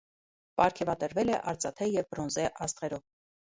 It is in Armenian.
Պարգևատրվել է արծաթե և բրոնզե աստղերով։